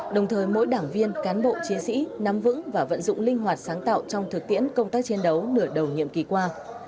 đồng thời mỗi đảng viên cán bộ chiến sĩ nắm vững và vận dụng linh hoạt sáng tạo trong thực tiễn công tác chiến đấu nửa đầu nhiệm kỳ qua